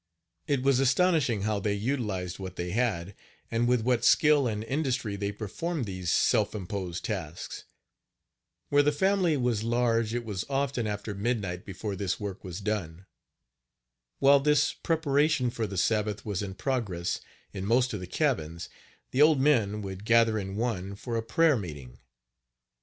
It was astonishing how they utilized what they had, and with what skill and industry they performed these self imposed tasks. Where the family was large it was often after midnight before this work was done. While this preparation for the Sabbath was in progress in most of the cabins, the old men would gather in one for a prayer meeting.